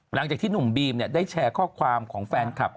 หลังจากที่หนุ่มบีมได้แชร์ข้อความของแฟนคลับ